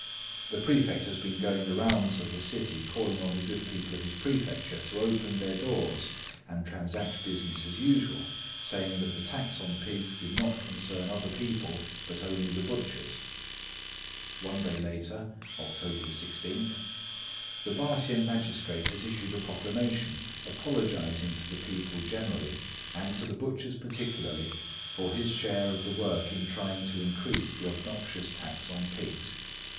The prefect has been going the rounds of the city calling on the good people of his prefecture to open their shops and transact business as usual, saying that the tax on pigs did not concern other people, but only the butchers." One day later, October 16:— "The Pah shien magistrate has issued a proclamation apologising to the people generally, and to the butchers particularly, for his share of the work in trying to increase the obnoxious tax on pigs.